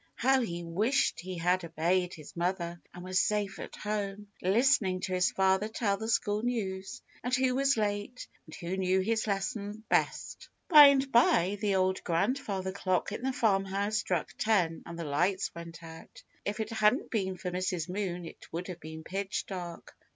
How he wished he had obeyed his mother and was safe at home, listening to his father tell the school news, and who was late, and who knew his lesson best. By and by the Old Grandfather Clock in the Farm House struck ten and the lights went out. If it hadn't been for Mrs. Moon it would have been pitch dark.